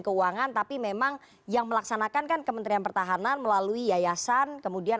keuangan tapi memang yang melaksanakan kan kementerian pertahanan melalui yayasan kemudian